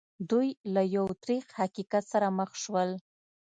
دوی له یو تریخ حقیقت سره مخ شول